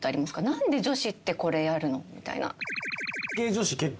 何で女子ってこれやるの？みたいな。